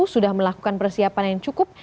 sudah melakukan persiapan yang cukup